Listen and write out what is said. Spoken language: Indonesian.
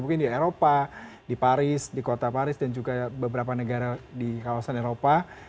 mungkin di eropa di paris di kota paris dan juga beberapa negara di kawasan eropa